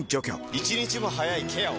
１日も早いケアを！